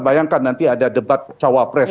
bayangkan nanti ada debat cawapres